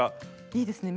いいですね